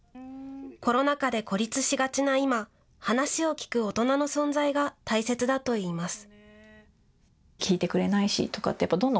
コロナ禍で孤立しがちな今、話を聞く大人の存在が大切だといいます。